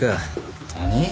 何？